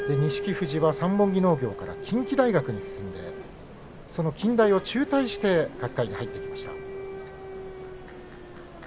富士は三本木農業から近畿大学に進んで近大を中退して角界に入ってきました。